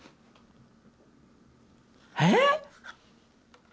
えっ！？